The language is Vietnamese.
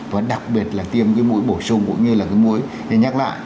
và đặc biệt là tiêm cái mũi bổ sung cũng như là cái mũi để nhắc lại